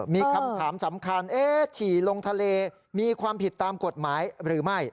มีคำถามสำคัญฉี่ลงทะเลมีความผิดตามกฎหมายหรือไม่